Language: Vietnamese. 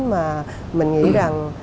mình nghĩ rằng